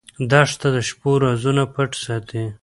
دښته د شپو رازونه پټ ساتي.